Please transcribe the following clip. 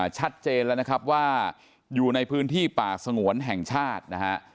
ชัดเจนแล้วว่าอยู่ในพื้นที่ป่าสงวนแห่งชาติ